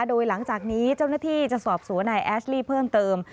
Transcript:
โดยหลังจากนี้เจ้าหน้าที่จะสอบสวนนายแอสลี่เพิ่มเติม